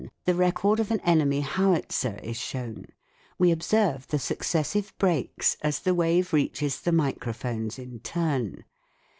91 the record of an enemy howitzer is shown : we observe the successive breaks as the wave reaches the microphones in turn.